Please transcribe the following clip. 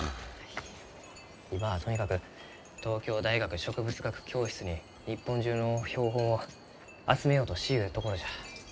今はとにかく東京大学植物学教室に日本中の標本を集めようとしゆうところじゃ。